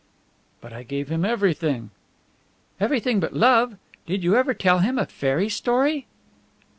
"But I gave him everything!" "Everything but love. Did you ever tell him a fairy story?"